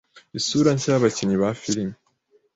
isura nshya y’abakinnyi ba filimi